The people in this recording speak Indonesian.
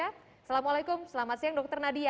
assalamualaikum selamat siang dr nadia